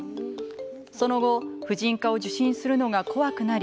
その後、婦人科を受診するのが怖くなり